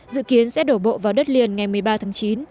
dự kiến sẽ đổ bộ vào đất liền ngày một mươi ba tháng chín